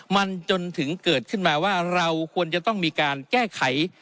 มันจนถึงเกิดขึ้นมาว่าเราควรจะต้องมีการแก้ไข